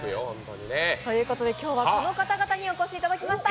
ということで今日はこの方々にお越しいただきました。